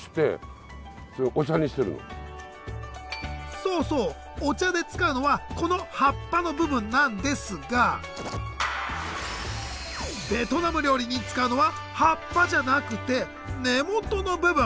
そうそうお茶で使うのはこの葉っぱの部分なんですがベトナム料理に使うのは葉っぱじゃなくて根元の部分。